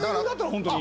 本当に。